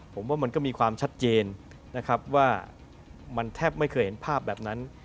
ผมว่ามันก็มีความชัดเจนนะครับว่ามันแทบไม่เคยเห็นภาพแบบนั้น